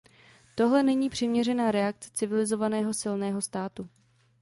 Tohle není přiměřená reakce civilizovaného silného státu.